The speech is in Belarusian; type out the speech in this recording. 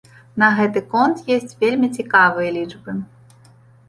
На гэты конт ёсць вельмі цікавыя лічбы.